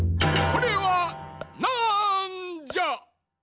これはなんじゃ？